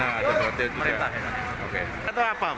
ada perhatian juga